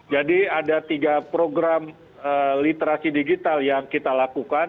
jadi ada tiga program literasi digital yang kita lakukan